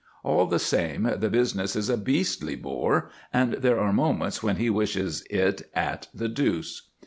All the same, the business is a beastly bore, and there are moments when he wishes it at the deuce.